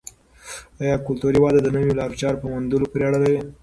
آیا کلتوري وده د نویو لارو چارو په موندلو پورې اړه لري؟